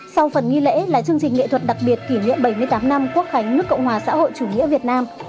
sau phần nghi lễ là chương trình nghệ thuật đặc biệt kỷ niệm bảy mươi tám năm quốc khánh nước cộng hòa xã hội chủ nghĩa việt nam